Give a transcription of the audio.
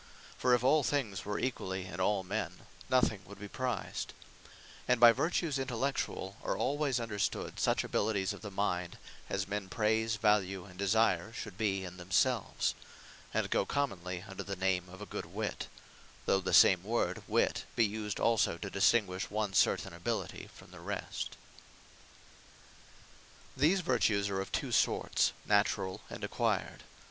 For if all things were equally in all men, nothing would be prized. And by Vertues INTELLECTUALL, are always understood such abilityes of the mind, as men praise, value, and desire should be in themselves; and go commonly under the name of a Good Witte; though the same word Witte, be used also, to distinguish one certain ability from the rest. Wit, Naturall, Or Acquired These Vertues are of two sorts; Naturall, and Acquired.